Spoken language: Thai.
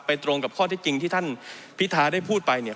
ตรงกับข้อที่จริงที่ท่านพิทาได้พูดไปเนี่ย